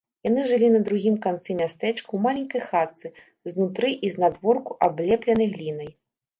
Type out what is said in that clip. Яны жылі на другім канцы мястэчка ў маленькай хатцы, знутры і знадворку аблепленай глінай.